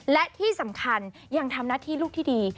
และที่สำคัญยังทำหน้าที่ลูกที่ดี